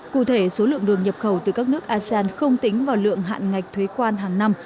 cụ thể số lượng đường nhập khẩu từ các nước asean không tính vào lượng hạn ngạch thuế quan hàng năm